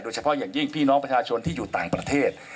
เฉพาะอย่างยิ่งพี่น้องประชาชนที่อยู่ต่างประเทศ